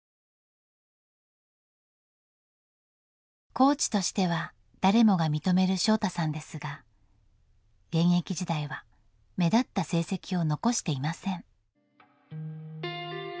コーチとしては誰もが認める翔大さんですが現役時代は目立った成績を残していません。